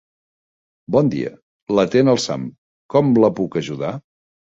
Bon dia, l'atén el Sam, com la puc ajudar?